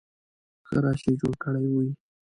ښه رش یې جوړ کړی وي.